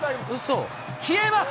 消えます。